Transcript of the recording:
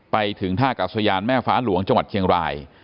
ไปถึงท่ากัศยานแม่ฟ้าหลวงจังหวัดเชียงราย